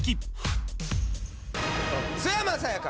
磯山さやか。